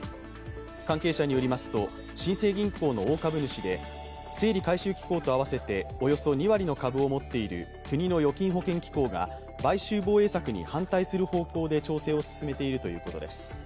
関係者によりますと、新生銀行の大株主で整理回収機構と合わせておよそ２割の株を持っている国の預金保険機構が買収防衛策に反対する方向で調整を進めているということです。